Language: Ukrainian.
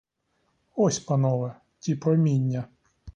Ось, панове, ті проміння.